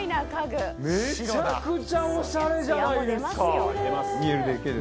めちゃくちゃおしゃれじゃないですか。